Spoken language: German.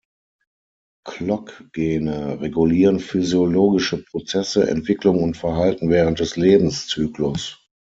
Clock-Gene regulieren physiologische Prozesse, Entwicklung und Verhalten während des Lebenszyklus.